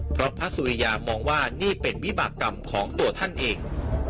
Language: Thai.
เพราะพระสุริยามองว่านี่เป็นวิบากรรมของตัวท่านเอง